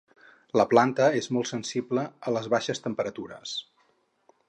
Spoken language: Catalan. La planta és molt sensible a les baixes temperatures.